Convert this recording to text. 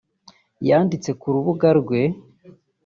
yanditse ku rubuga rwe